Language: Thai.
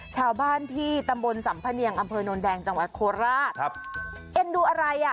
ชาวบ้านที่ตำบลสัมพะเนียงอำเภอโนนแดงจังหวัดโคราชครับเอ็นดูอะไรอ่ะ